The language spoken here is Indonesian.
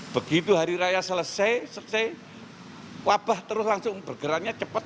begitu hari raya selesai wabah terus langsung bergeraknya cepat